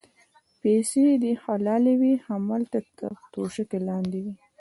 پیسې دې حلالې وې هملته تر توشکه لاندې وې.